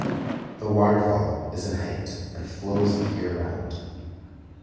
The waterfall is in height and flows year round.